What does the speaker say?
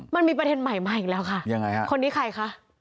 มันมีประเทศใหม่มาอีกแล้วค่ะคนนี้ใครคะ